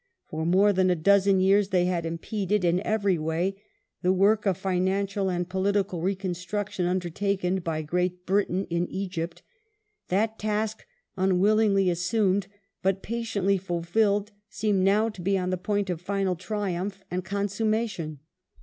For more than a dozen years they had impeded, in every way, the work of financial and political reconstruction undertaken by Great Britain in Egypt. That task, unwillingly assumed but patiently fulfilled, seemed now to be on the point of final triumph and con summation.